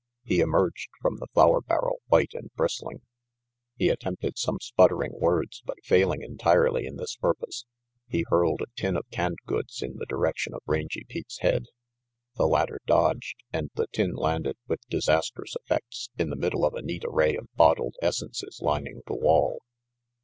He emerged from the flour barrel white and bristling. He attempted some sputtering words, but failing entirely in this purpose, he hurled a tin of canned goods in the direction of Rangy Pete's head. The latter dodged, and the tin landed, with disastrous effects, in the middle of a neat array of bottled essences lining the wall.